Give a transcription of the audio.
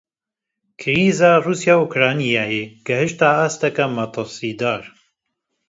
Krîza Rûsya û Ukraynayê gihîşt asteke metirsîdar.